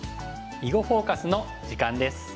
「囲碁フォーカス」の時間です。